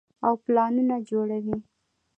او پلانونه جوړوي -